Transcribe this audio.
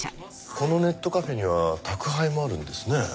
このネットカフェには宅配もあるんですね。